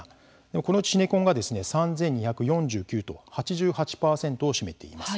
このうち、シネコンが３２４９と８８％を占めています。